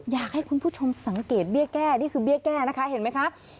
อยากให้คุณผู้ชมสังเกตเบี้ยแก้นี่คือเบี้ยแก้นะคะเห็นไหมคะ